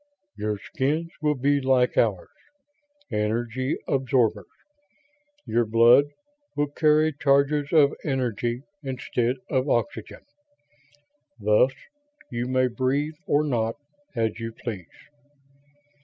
"Your skins will be like ours, energy absorbers. Your 'blood' will carry charges of energy instead of oxygen. Thus, you may breathe or not, as you please.